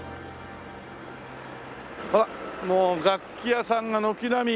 ほらもう楽器屋さんが軒並み。